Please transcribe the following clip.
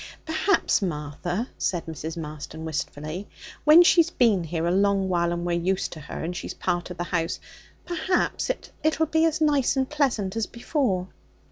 'Perhaps, Martha,' said Mrs. Marston wistfully, 'when she's been here a long while, and we're used to her, and she's part of the house perhaps it'll be as nice and pleasant as before?'